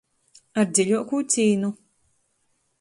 Ar dziļuokū cīnu